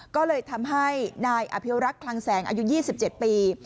ก็เลยทำให้นายอภิวรักษ์คลังแสงอายุ๒๗ปี